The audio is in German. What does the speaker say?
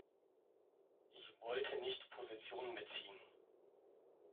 Ich wollte nicht Position beziehen.